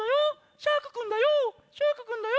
シャークくんだよ！